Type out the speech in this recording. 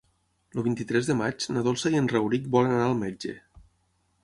El vint-i-tres de maig na Dolça i en Rauric volen anar al metge.